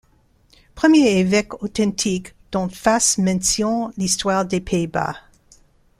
Premier évêque authentique dont fasse mention l'histoire des Pays-Bas.